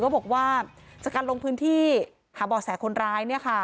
บอกว่าจากการลงพื้นที่หาบ่อแสคนร้าย